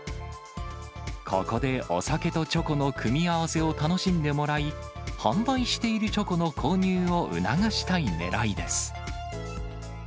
ここでお酒とチョコの組み合わせを楽しんでもらい、販売しているチョコの購入を促したいねらいです。